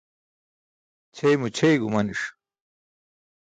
Ćʰeymo ćʰey gumaniṣ.